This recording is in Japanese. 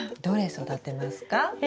どれ育てますか？